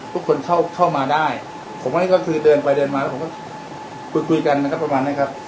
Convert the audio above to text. ทุกคนเข้ามาได้ผมก็คือเดินไปเดินมาแล้วผมก็คุยกันประมาณได้ครับ